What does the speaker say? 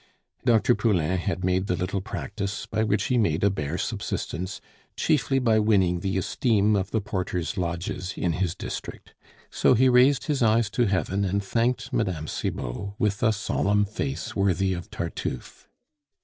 Dr. Poulain had made the little practice, by which he made a bare subsistence, chiefly by winning the esteem of the porters' lodges in his district. So he raised his eyes to heaven and thanked Mme. Cibot with a solemn face worthy of Tartuffe.